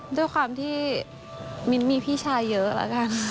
ด้วยความที่มิ้นมีพี่ชายเยอะแล้วกัน